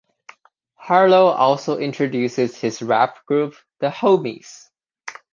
Harlow also introduces his rap group The Homies.